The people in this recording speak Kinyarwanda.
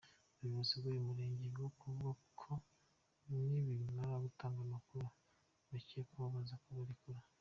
Ubuyobozi bw’uyu murenge bwo buvuga ko nibamara gutanga amakuru bakeneweho baza kubarekura.